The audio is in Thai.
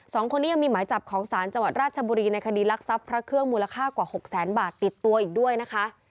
สองคนนี้ยังมีหมายจับของศาลจังหวัดราชบุรีในคดีรักทรัพย์พระเครื่องมูลค่ากว่าหกแสนบาทติดตัวอีกด้วยนะคะ